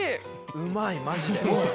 うまいマジで。